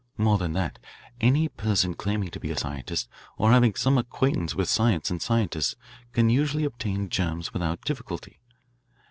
More than that, any person claiming to be a scientist or having some acquaintance with science and scientists can usually obtain germs without difficulty.